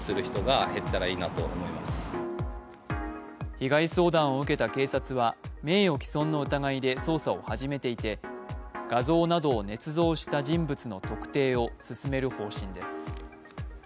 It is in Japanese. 被害相談を受けた警察は名誉毀損の疑いで捜査を始めていて、画像などをねつ造した人物の特定を進める方針です。